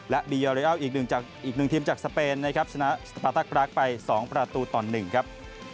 และบียอเรียลอีกหนึ่งจากอีกหนึ่งทีมจากสเปนนะครับสนับประตักปรากไปสองประตูต่อหนึ่งครับ